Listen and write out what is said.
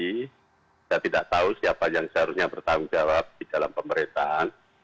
kita tidak tahu siapa yang seharusnya bertanggung jawab di dalam pemerintahan